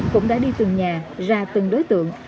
cũng đã đi từng nhà ra từng đối tượng